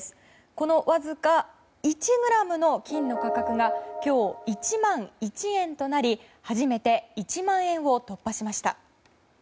このわずか１ｇの金の価格が今日、１万１円となり初めて１万円を突破しました。